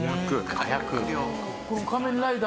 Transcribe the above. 火薬。